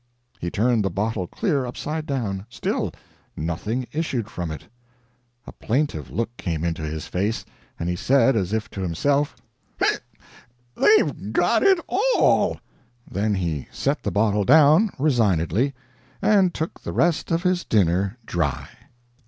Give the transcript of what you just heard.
He turned the bottle clear upside down; still nothing issued from it; a plaintive look came into his face, and he said, as if to himself, "'IC! THEY'VE GOT IT ALL!" Then he set the bottle down, resignedly, and took the rest of his dinner dry.